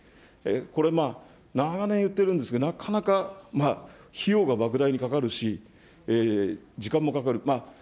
これまあ、長年言ってるんですけど、なかなか費用がばく大にかかるし、時間もかかる。